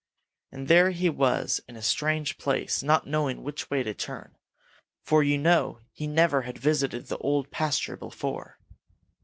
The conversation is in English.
And there he was in a strange place, not knowing which way to turn, for you know he never had visited the Old Pasture before.